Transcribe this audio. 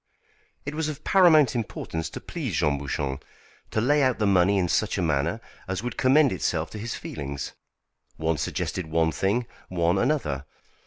It was of paramount importance to please Jean Bouchon, to lay out the money in such a manner as would commend itself to his feelings. One suggested one thing, one another.